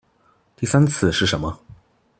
第三次是什麼